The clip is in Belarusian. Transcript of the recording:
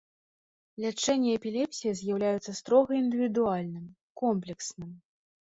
Лячэнне эпілепсіі з'яўляецца строга індывідуальным, комплексным.